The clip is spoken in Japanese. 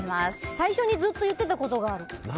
最初にずっと言ってたことがある。